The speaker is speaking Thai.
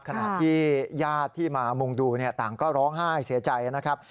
ขณะที่ญาติที่มามุงดูต่างก็ร้องไห้เสียใจนะครับ